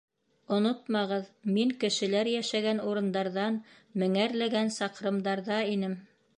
Онотмағыҙ, мин кешеләр йәшәгән урындарҙан меңәрләгән саҡрымдарҙа инем.